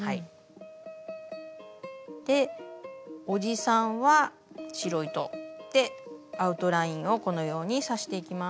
おじさんは白糸でアウトラインをこのように刺していきます。